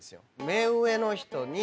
目上の人に。